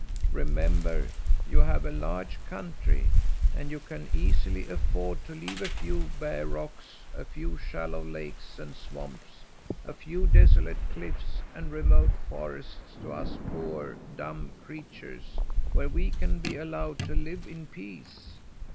"Remember you have a large country and you can easily afford to leave a few bare rocks, a few shallow lakes and swamps, a few desolate cliffs and remote forests to us poor, dumb creatures, where we can be allowed to live in peace.